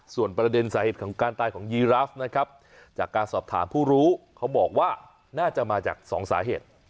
ส่วนประเด็นสาเหตุของการตายของยีราฟนะครับจากการสอบถามผู้รู้เขาบอกว่าน่าจะมาจากสองสาเหตุ